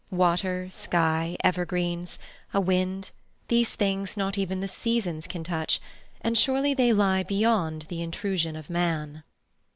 Water, sky, evergreens, a wind—these things not even the seasons can touch, and surely they lie beyond the intrusion of man?